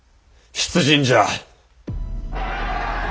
出陣じゃ。